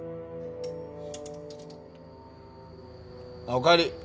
おかえり